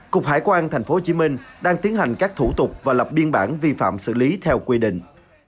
cục hải quan tp hcm đang tiến hành các thủ tục và lập biên bản vi phạm xử lý theo quy định